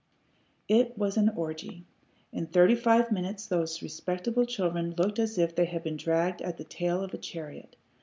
It was an orgy. In thirty five minutes those respectable children looked as if they had been dragged at the tail of a chariot.